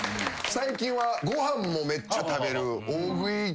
最近はご飯もめっちゃ食べる。